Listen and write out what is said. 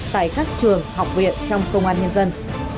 tại các trường học viện trong công an nhân dân